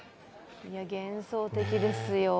幻想的ですよ。